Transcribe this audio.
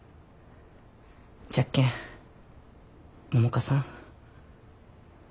じゃけん百花さん。